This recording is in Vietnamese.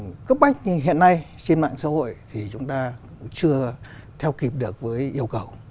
nhưng mà phân công trách hiện nay trên mạng xã hội thì chúng ta cũng chưa theo kịp được với yêu cầu